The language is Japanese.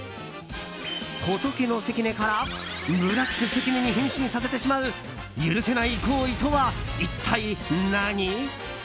仏の関根からブラック関根に変身させてしまう許せない行為とは一体何？